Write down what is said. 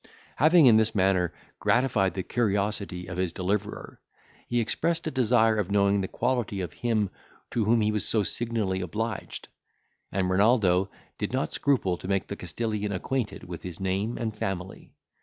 Having in this manner gratified the curiosity of his deliverer, he expressed a desire of knowing the quality of him to whom he was so signally obliged; and Renaldo did not scruple to make the Castilian acquainted with his name and family.